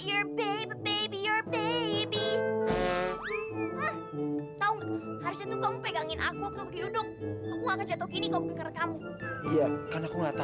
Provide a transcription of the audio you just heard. enak aja pangku pangku